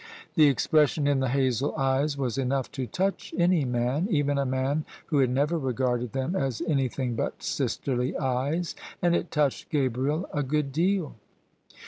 The expression in the hazel eyes was enou^ to touch any man— even a man who had never regarded them as anything but sisterly eyes: and it touched Gabriel a good deal.